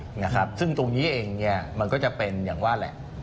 นะครับซึ่งตรงนี้เองเนี่ยมันก็จะเป็นอย่างว่าแหละ